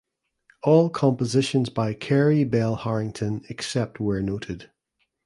All compositions by Carey Bell Harrington except where noted